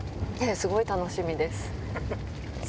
すごい楽しみです。